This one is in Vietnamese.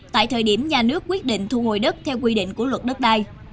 tại thời điểm nhà nước quyết định thu hồi đất theo quy định của luật đất đai